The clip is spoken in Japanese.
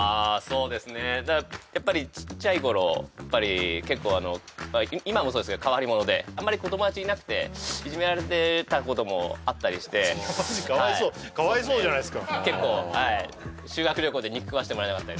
そうですねだからやっぱりちっちゃい頃やっぱり結構あの今もそうですけど変わり者であんまり友達いなくていじめられたこともあったりしてマジかわいそうかわいそうじゃないですか